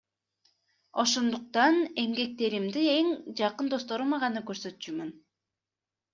Ошондуктан эмгектеримди эң жакын досторума гана көрсөтчүмүн.